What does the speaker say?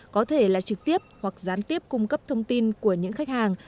có thể là trực tiếp hoặc gián tiếp cung cấp thông tin của những khách hàng